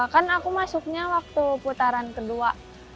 kan aku masuknya waktu putaran kedua